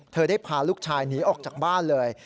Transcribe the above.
ได้พาลูกชายหนีออกจากบ้านเลย